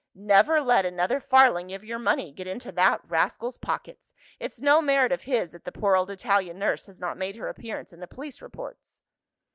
"Never let another farthing of your money get into that rascal's pocket! It's no merit of his that the poor old Italian nurse has not made her appearance in the police reports."